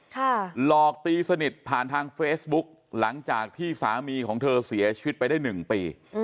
หลอกตีสนิทผ่านทางเฟซบุ๊กหลังจากที่สามีของเธอเสียชีวิตไปได้หนึ่งปี